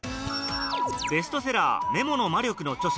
ベストセラー『メモの魔力』の著者